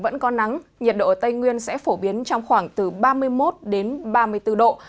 trong nắng nhiệt độ ở tây nguyên sẽ phổ biến trong khoảng từ ba mươi một đến ba mươi bốn độ